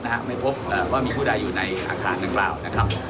นะฮะไม่พบเอ่อว่ามีผู้ใดอยู่ในอาคารเรียงคลาวด์นะครับ